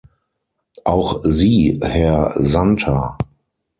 Auch Sie, Herr Santer.